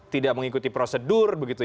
tidak mengikuti prosedur